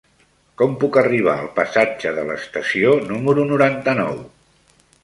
Com puc arribar al passatge de l'Estació número noranta-nou?